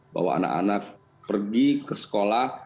bahwa anak anak pergi ke sekolah